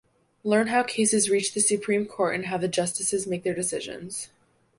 Learn how cases reach the Supreme Court and how the justices make their decisions.